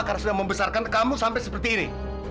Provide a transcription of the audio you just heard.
karena sudah membesarkan kamu sampai seperti ini